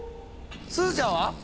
すずちゃんは？